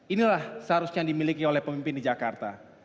inilah seharusnya yang dimiliki oleh pemimpin di jakarta